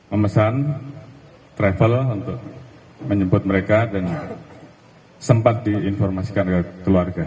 memesan travel untuk menjemput mereka dan sempat diinformasikan oleh keluarga